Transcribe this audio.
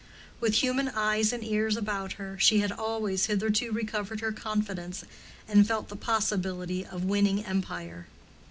With human ears and eyes about her, she had always hitherto recovered her confidence, and felt the possibility of winning empire.